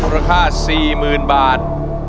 ราคา๔๐๐๐บาท